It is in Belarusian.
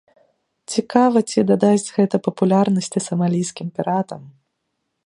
Цікава, ці дадасць гэта папулярнасці самалійскім піратам.